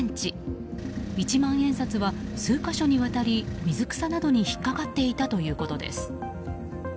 一万円札は数か所にわたり水草などに引っかかっていたということです。